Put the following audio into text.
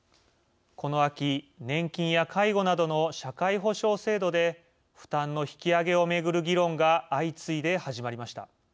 この秋、年金や介護などの社会保障制度で負担の引き上げを巡る議論が相次いで始まりました。